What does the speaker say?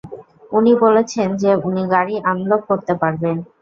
উনি বলেছেন যে উনি গাড়ি আনলক করতে পারবে।